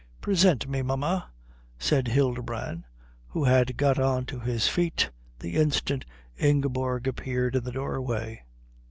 "Present me, mamma," said Hildebrand, who had got on to his feet the instant Ingeborg appeared in the doorway.